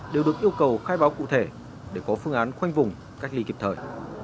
đều được yêu cầu khai báo cụ thể để có phương án khoanh vùng cách ly kịp thời